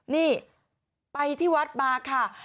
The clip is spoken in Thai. นี่ไปที่วัดมาค่ะ